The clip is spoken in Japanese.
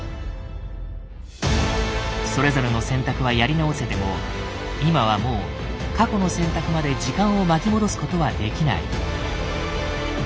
それぞれの選択はやり直せても今はもう過去の選択まで時間を巻き戻すことはできない。